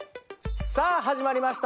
さあ始まりました。